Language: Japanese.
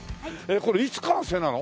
これいつ完成なの？